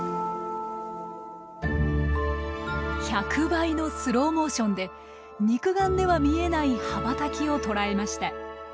１００倍のスローモーションで肉眼では見えない羽ばたきを捉えました。